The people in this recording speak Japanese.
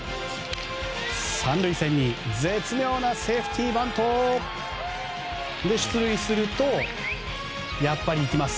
３塁線に絶妙なセーフティーバントで出塁すると、やっぱりいきます。